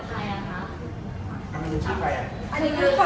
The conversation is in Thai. ก็คือ๒ล้าน๒ค่ะ